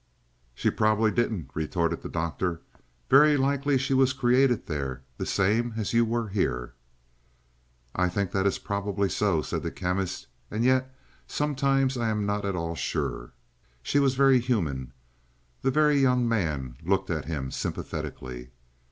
"She probably didn't," retorted the Doctor. "Very likely she was created there, the same as you were here." "I think that is probably so," said the Chemist. "And yet, sometimes I am not at all sure. She was very human." The Very Young Man looked at him sympathetically.